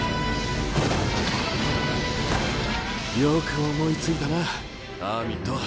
よく思いついたなハーミット。